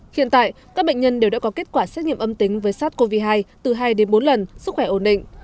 hiện tại các bệnh nhân đều đã có kết quả xét nghiệm âm tính với sars cov hai từ hai đến bốn lần sức khỏe ổn định